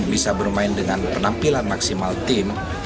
bisa bermain dengan penampilan maksimal tim